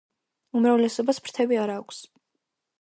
უმრავლესობას ფრთები არ აქვს.